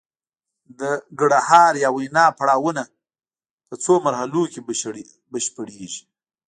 د ګړهار یا وینا پړاوونه په څو مرحلو کې بشپړیږي